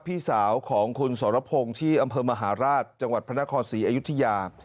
พี่สาวของคุณสรพงศ์ที่อำเภอมหาราชจังหวัดพระนครศรีอยุธยา